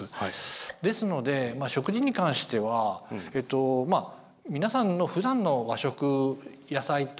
ですので食事に関しては皆さんのふだんの和食・野菜とかですね